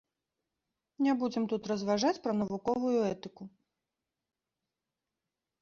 Не будзем тут разважаць пра навуковую этыку.